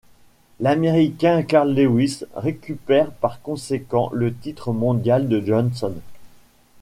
L’Américain Carl Lewis récupère par conséquent le titre mondial de Johnson.